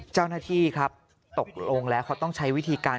เจ้าหน้าที่ครับตกลงแล้วเขาต้องใช้วิธีการ